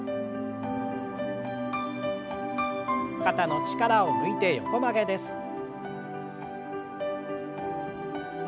肩の力を抜いて横曲げです。